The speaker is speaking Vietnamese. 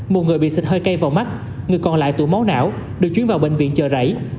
một người bị xịt hơi cay vào mắt người còn lại tủ máu não được chuyến vào bệnh viện chở rảy